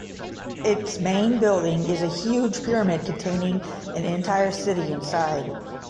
Its main building is a huge pyramid containing an entire city inside.